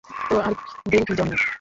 তো আর দেরী কী জন্যে?